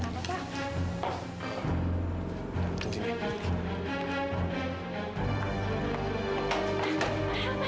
mau pesan apa kak